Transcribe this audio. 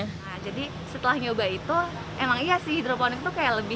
nah jadi setelah nyoba itu emang iya sih hidroponik tuh kayak lebih